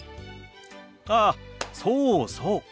あそうそう。